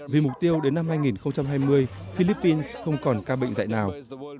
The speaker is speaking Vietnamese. vì mục tiêu đến năm hai nghìn hai mươi philippines không còn ca bệnh dạy nào